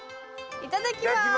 いただきます。